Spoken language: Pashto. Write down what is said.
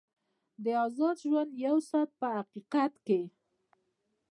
د ازاد ژوند یو ساعت په حقیقت کې.